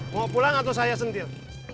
mau pulang atau saya sendiri